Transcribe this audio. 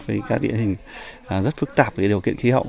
thì các địa hình rất phức tạp với điều kiện khí hậu